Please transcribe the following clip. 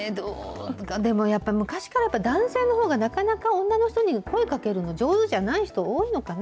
でもやっぱり昔から、男性のほうがなかなか女の人に声かけるの上手じゃない人多いのかな？